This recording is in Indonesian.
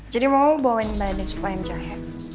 jadi mama mau bawa bayan bayan sup ayam jahe